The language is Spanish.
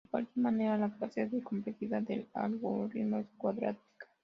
De cualquier manera, la clase de complejidad del algoritmo es cuadrática.